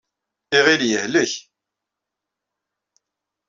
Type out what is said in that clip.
Iɣil yehlek.